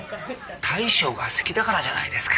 大将が好きだからじゃないですか？